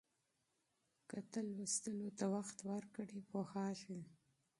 که ته مطالعې ته وخت ورکړې پوهېږې.